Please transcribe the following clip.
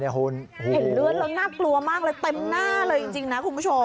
อ๋อเนี่ยหุ่นเห็นเลือดแล้วน่ากลัวมากเลยเต็มหน้าเลยจริงจริงนะคุณผู้ชม